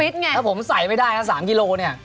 ถ้าผมใส่ไม่ได้นะ๓กิโลเนี่ย